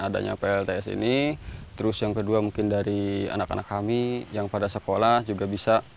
adanya plts ini terus yang kedua mungkin dari anak anak kami yang pada sekolah juga bisa